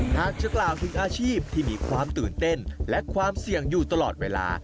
หากจะกล่าวถึงอาชีพที่มีความตื่นเต้นและความเสี่ยงอยู่ตลอดเวลา